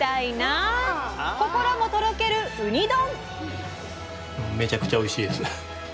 心もとろける「ウニ丼」！